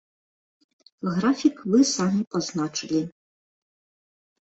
Графік вы самі пазначылі.